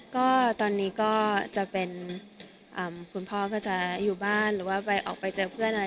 ก็ตอนนี้ก็จะเป็นคุณพ่อก็จะอยู่บ้านหรือว่าไปออกไปเจอเพื่อนอะไร